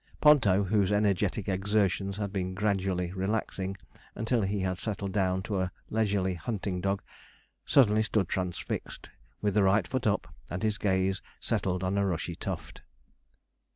Ponto, whose energetic exertions had been gradually relaxing, until he had settled down to a leisurely hunting dog, suddenly stood transfixed, with the right foot up, and his gaze settled on a rushy tuft.